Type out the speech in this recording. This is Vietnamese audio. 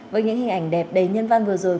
với những hình ảnh đẹp đầy nhân văn vừa rồi